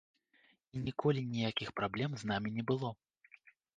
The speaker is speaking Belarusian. І ніколі ніякіх праблем з намі не было.